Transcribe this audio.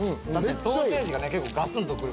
ソーセージがね結構ガツンとくるからね。